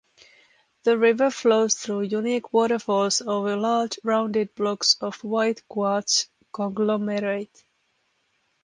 The river flows through unique waterfalls over large rounded blocks of white quartz conglomerate.